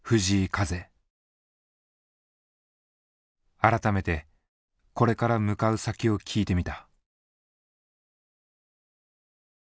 改めてこれから向かう先を聞いてみた。